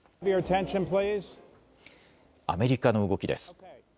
アメリカの動きです。